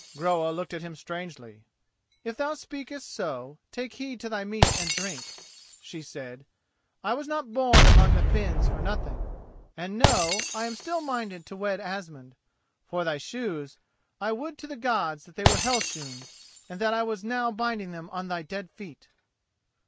Groa looked at him strangely. "If thou speakest so, take heed to thy meat and drink," she said. "I was not born among the Finns for nothing; and know, I am still minded to wed Asmund. For thy shoes, I would to the Gods that they were Hell shoon, and that I was now binding them on thy dead feet."